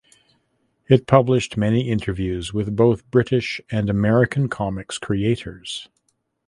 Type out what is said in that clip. It published many interviews with both British and American comics creators.